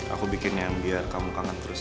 aku bikin yang biar kamu kangen terus